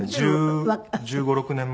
１５１６年前。